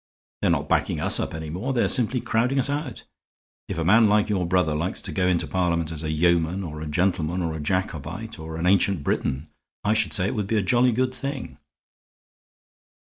They're not backing us up any more; they're simply crowding us out. If a man like your brother likes to go into Parliament as a yeoman or a gentleman or a Jacobite or an Ancient Briton, I should say it would be a jolly good thing."